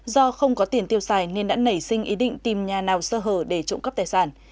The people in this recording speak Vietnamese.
do không có tiền tiêu xài nên đã nảy sinh ý định tìm nhà nào sơ hở để trộm cắp tài sản